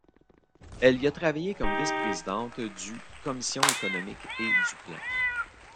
Elle y a travaillé comme vice-présidente du Commission Économique et du Plan.